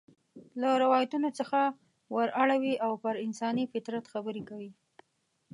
له روایتونو څخه ور اوړي او پر انساني فطرت خبرې کوي.